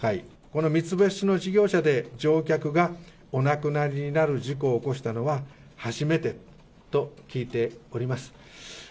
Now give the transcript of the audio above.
この三つ星の事業者で乗客がお亡くなりになる事故を起こしたのは、初めてと聞いております。